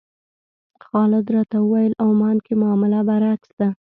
خالد راته وویل عمان کې معامله برعکس ده.